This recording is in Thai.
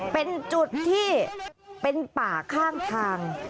เป็นจุดที่เป็นป่าข้างทาง